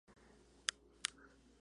Algunos estudiantes son parte japonesa.